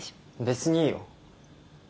別にいいよ